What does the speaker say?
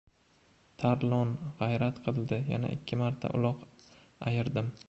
Tarlon g‘ayrat qildi. Yana ikki marta uloq ayirdim.